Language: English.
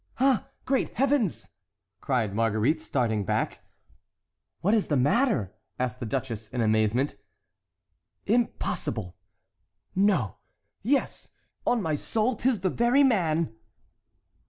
"Ah, great heavens!" cried Marguerite, starting back. "What is the matter?" asked the duchess in amazement. "Impossible!—no!—yes!—on my soul, 'tis the very man!"